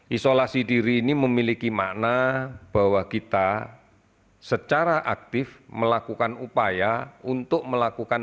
isolasi diri ini memiliki makna bahwa kita secara aktif melakukan upaya untuk melakukan